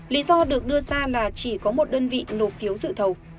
lý do được đưa ra là chỉ có một đơn vị nộp phiếu dự thầu